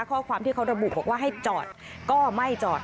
ข้อความที่เขาระบุบอกว่าให้จอดก็ไม่จอด